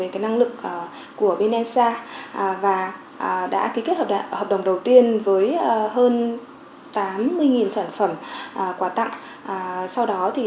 cho cả nam giới và nữ giới